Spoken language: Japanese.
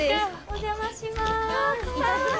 お邪魔します。